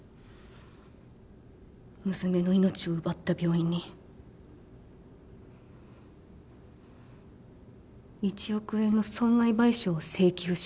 娘の命を奪った病院に１億円の損害賠償を請求します。